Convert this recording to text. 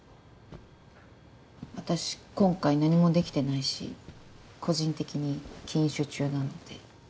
私今回何もできてないし個人的に禁酒中なので。